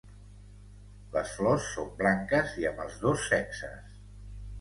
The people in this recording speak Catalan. Les flors són blanques i amb els dos sexes.